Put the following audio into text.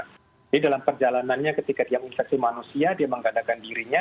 jadi dalam perjalanannya ketika dia infeksi manusia dia menggantikan dirinya